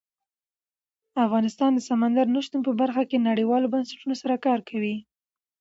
افغانستان د سمندر نه شتون په برخه کې نړیوالو بنسټونو سره کار کوي.